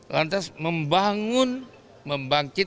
lantas membangun membangkit